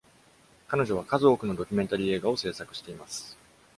彼女は数多くのドキュメンタリー映画を制作しています。